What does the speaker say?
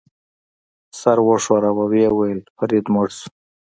سر وښوراوه، ویې ویل: فرید مړ شو.